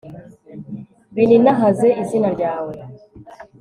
bininahaze izina ryawe